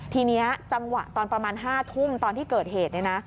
ทีนี้จังหวะตอนประมาณ๕ทุ่มตอนที่เกิดเหตุ